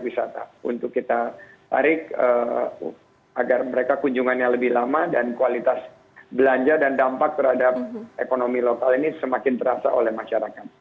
wisata untuk kita tarik agar mereka kunjungannya lebih lama dan kualitas belanja dan dampak terhadap ekonomi lokal ini semakin terasa oleh masyarakat